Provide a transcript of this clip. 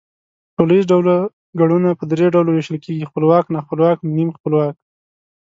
په ټوليز ډول گړونه په درې ډلو وېشل کېږي، خپلواک، ناخپلواک، نیم خپلواک